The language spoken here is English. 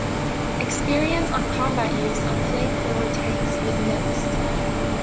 Experience of combat use of flamethrower tanks was mixed.